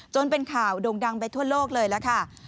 เป็นข่าวโด่งดังไปทั่วโลกเลยล่ะค่ะ